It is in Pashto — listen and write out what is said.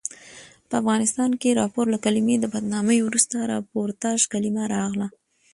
په افغانستان کښي راپور له کلمې د بدنامي وروسته راپورتاژ کلیمه راغله.